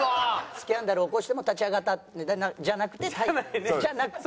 「スキャンダル起こしても立ち上がった」じゃなくてじゃなくて。